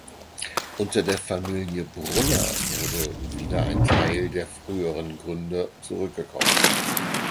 Unter der Familie Brunner wurde wieder ein Teil der früheren Gründe zurückgekauft.